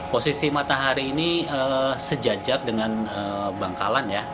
posisi matahari ini sejajar dengan bangkalan ya